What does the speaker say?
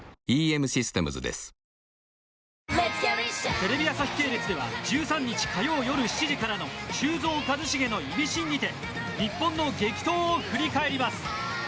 テレビ朝日系列では１３日火曜夜７時から「修造＆一茂のイミシン」にて日本の激闘を振り返ります。